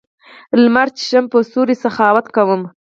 لمر چېښم په سیوري سخاوت کوم